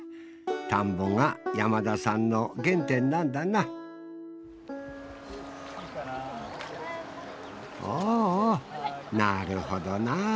田んぼが山田さんの原点なんだなおおなるほどな。